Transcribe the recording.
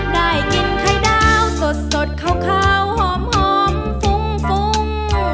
ได้กินไข่ดาวสดขาวหอมฟุ้งฟุ้ง